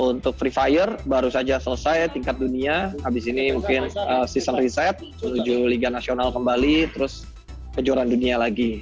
untuk free fire baru saja selesai tingkat dunia habis ini mungkin season riset menuju liga nasional kembali terus kejuaraan dunia lagi